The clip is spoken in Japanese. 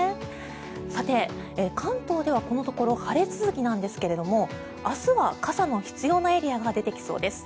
さて、関東ではこのところ晴れ続きなんですけども明日は傘の必要なエリアが出てきそうです。